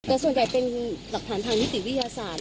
แต่ส่วนใหญ่เป็นหลักฐานทางนิติวิทยาศาสตร์